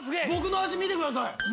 僕の足見てください！